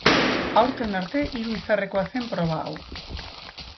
Aurten arte hiru izarrekoa zen proba hau.